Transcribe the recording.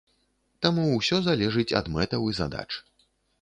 Таму усё залежыць ад мэтаў і задач.